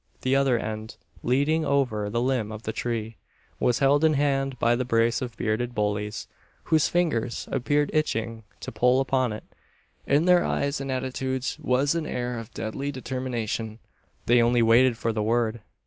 The other end, leading over the limb of the tree, was held in hand by the brace of bearded bullies whose fingers appeared itching to pull upon it. In their eyes and attitudes was an air of deadly determination. They only waited for the word.